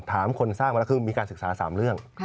คนสร้างมาแล้วคือมีการศึกษา๓เรื่อง